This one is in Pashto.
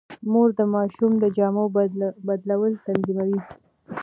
مور د ماشوم د جامو بدلول تنظيموي.